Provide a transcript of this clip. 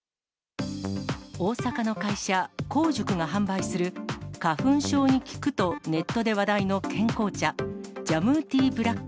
大阪の会社、香塾が販売する、花粉症に効くとネットで話題の健康茶、ジャムー・ティー・ブラック。